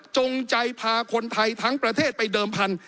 จงใจพาคนไทยทั้งประเทศไปเดิมพันธ